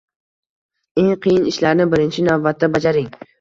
Eng qiyin ishlarni birinchi navbatda bajaring.